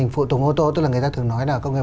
phụ tùng ô tô tức là người ta thường nói là công nghệ